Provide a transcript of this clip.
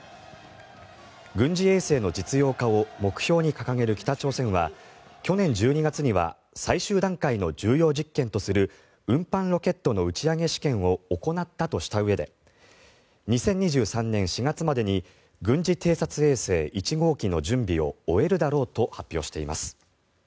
軍事衛星の実用化を目標に掲げる北朝鮮は去年１２月には最終段階の重要実験とする運搬ロケットの打ち上げ試験を行ったとしたうえで２０２３年４月までに軍事偵察衛星１号機の準備を終えるだろうと発表しています。